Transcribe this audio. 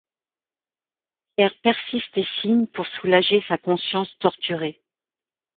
Pierre persiste et signe, pour soulager sa conscience torturée.